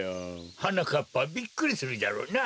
はなかっぱびっくりするじゃろうな。